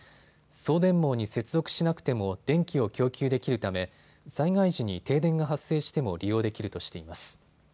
送電網に接続しなくても電気を供給できるため災害時に停電が発生しても利用できるとしています。